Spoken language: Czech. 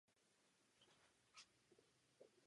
V Asii je pak velmi populární díky své hudební kariéře.